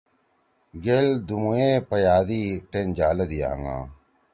گیل دُومُوئے پَیَادی ٹین جالَدی آنگا